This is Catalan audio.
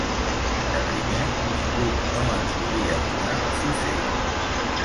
De primer, ningú no ens volia donar fusell.